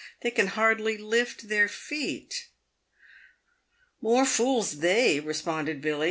" They can hardly lift their feet." "IMore fools they," responded Billy.